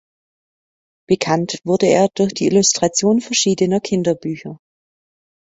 Bekannt wurde er durch die Illustration verschiedener Kinderbücher.